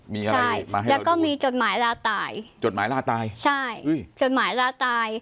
มีอะไรใช่แล้วก็มีจดหมายลาตายจดหมายลาตายใช่จดหมายลาตาย